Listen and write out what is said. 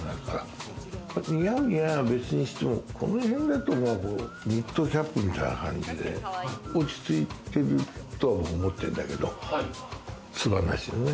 似合う似合わないは別にしても、この辺だとニットキャップみたいな感じで落ち着いてるとは思ってんだけど、つばなしのね。